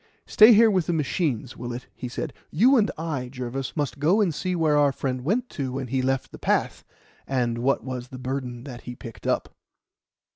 "Stay here with the machines, Willett," said he. "You and I, Jervis, must go and see where our friend went to when he left the path, and what was the burden that he picked up."